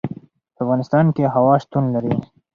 په افغانستان کې هوا شتون لري.